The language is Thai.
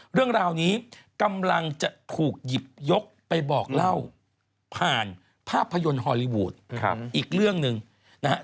เรื่องราวนี้กำลังจะถูกหยิบยกไปบอกเล่าผ่านภาพยนตร์ฮอลลีวูดอีกเรื่องหนึ่งนะฮะ